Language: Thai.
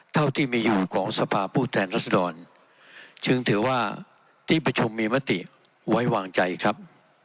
เท่าที่มีอยู่ของสภาพผู้แทนรัศดรจึงถือว่าที่ประชุมมีมติไว้วางใจครับ